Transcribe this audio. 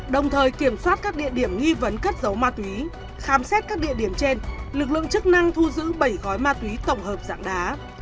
đồng thời kiểm soát các địa điểm nghi vấn cất dấu ma túy khám xét các địa điểm trên lực lượng chức năng thu giữ bảy gói ma túy tổng hợp dạng đá